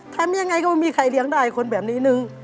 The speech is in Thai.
ทำยังไงก็ไม่มีใครเลี้ยงได้คนแบบนี้นึง